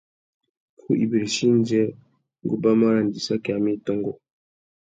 Ku ibirichi indjê, ngu ubamú arandissaki amê i tôngô.